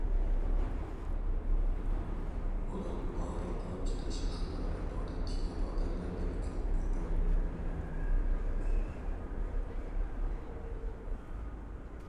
ئۇنىڭ ئاغرىققا چىداش ئىقتىدارى ئادەتتىكى ئادەملەردىن كۆپ يۇقىرى.